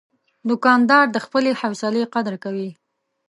دوکاندار د خپلې حوصلې قدر کوي.